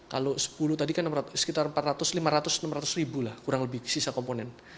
kalau sepuluh tadi kan sekitar empat ratus lima ratus enam ratus ribu lah kurang lebih sisa komponen